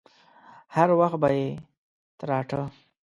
هر وخت به يې تراټه.